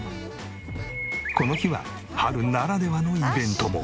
この日は春ならではのイベントも。